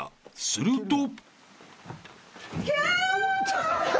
［すると］